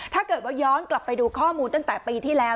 ถ้าเกิดว่าย้อนกลับไปดูข้อมูลตั้งแต่ปีที่แล้ว